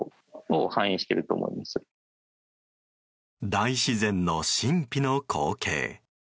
大自然の神秘の光景。